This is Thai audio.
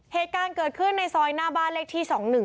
เหตุการณ์เกิดขึ้นในซอยหน้าบ้านเลขที่๒๑